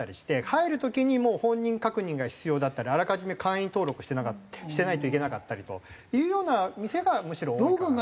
入る時にもう本人確認が必要だったりあらかじめ会員登録してないといけなかったりというような店がむしろ多いかなと。